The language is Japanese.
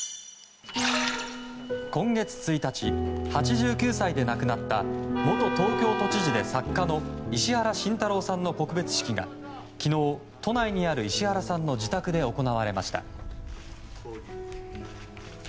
今月１日、８９歳で亡くなった元東京都知事で作家の石原慎太郎さんの告別式が昨日、都内にある石原さんの自宅で行われました。